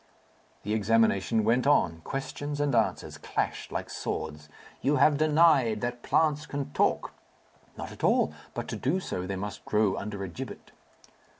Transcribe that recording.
The examination went on; questions and answers clashed like swords. "You have denied that plants can talk." "Not at all. But to do so they must grow under a gibbet."